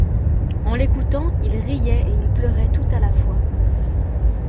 En l'écoutant, il riait et il pleurait tout à la fois.